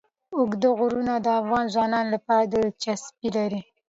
اوږده غرونه د افغان ځوانانو لپاره دلچسپي لري.